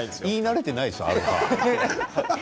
言い慣れていないでしょアロハ！